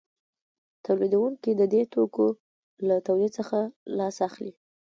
تولیدونکي د دې توکو له تولید څخه لاس اخلي